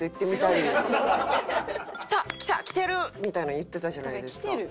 「きたきた！きてる！」みたいなの言ってたじゃないですか。